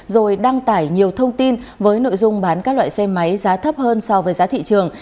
rồi đăng tải nhiều thông tin với nội dung bán các loại xe máy giá thấp hơn so với giá thị trường